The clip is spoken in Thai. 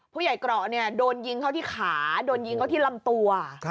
เกราะเนี่ยโดนยิงเข้าที่ขาโดนยิงเข้าที่ลำตัว